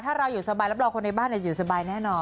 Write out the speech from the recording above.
ถ้าเราอยู่สบายรับรองคนในบ้านอยู่สบายแน่นอน